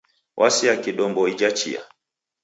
W'asea kidombo ija ichia.